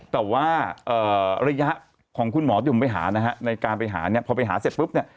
แต่ว่าระยะของคุณหมอจุ่มไปหานะฮะในการไปหาเนี่ยพอไปหาเสร็จปุ๊บเนี่ย